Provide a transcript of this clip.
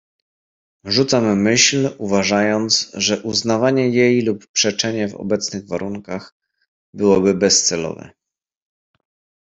"Rzucam myśl, uważając, że uznawanie jej lub przeczenie w obecnych warunkach byłoby bezcelowe."